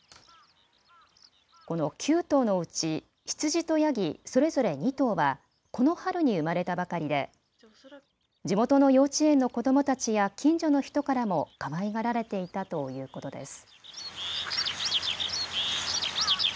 この９頭のうち羊とヤギそれぞれ２頭はこの春に生まれたばかりで地元の幼稚園の子どもたちや近所の人からもかわいがられていたということです。